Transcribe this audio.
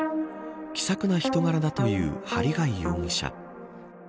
気さくな人柄だという針谷容疑者。